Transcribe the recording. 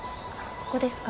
ここですか？